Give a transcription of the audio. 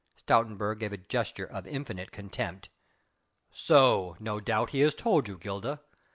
Stoutenburg made a gesture of infinite contempt. "So, no doubt, he has told you, Gilda.